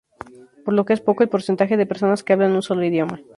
Por lo que es poco el porcentaje de personas que hablan un solo idioma.